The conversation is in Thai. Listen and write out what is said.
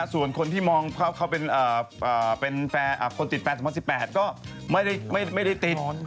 ส่วนคนที่มองเขาเป็นคนติดแฟน๒๐๑๘ก็ไม่ได้ติด